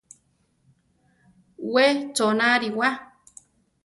We chona ariwa.